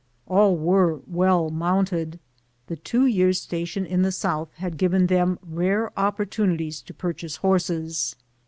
All were well mounted ; the two years' station in the South had given them rare opportunities to purchase horses.